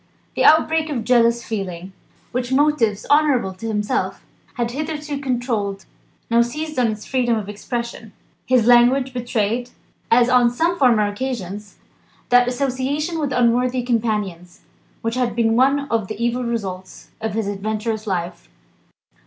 The outbreak of jealous feeling, which motives honourable to himself had hitherto controlled, now seized on its freedom of expression. His language betrayed (as on some former occasions) that association with unworthy companions, which had been one of the evil results of his adventurous life.